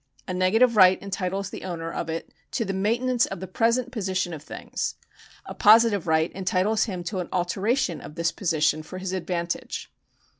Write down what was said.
A negative right entitles the owner of it to the maintenance of the present position of things ; a positive right entitles him to an alteration of this position for his advantage.